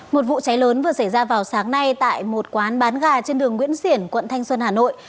một vụ cháy lớn vừa xảy ra vào sáng nay tại một quán bán gà trên đường nguyễn xiển quận thanh xuân hà nội